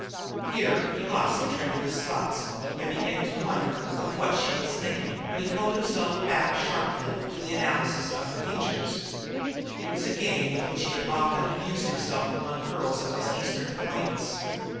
Here he lost the trend of his thoughts by beginning to wonder of what she could be thinking, but he called himself back sharply to the analysis of her features. It was a game with which he had often amused himself among the girls of his eastern acquaintance.